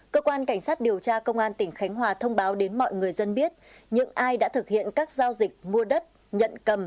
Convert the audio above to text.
cơ quan cảnh sát điều tra công an tỉnh khánh hòa thông báo đến mọi người dân biết những ai đã thực hiện các giao dịch mua đất nhận cầm